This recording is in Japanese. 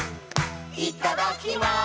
「いただきます」